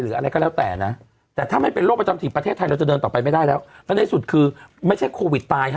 เลือกเอาเนาะ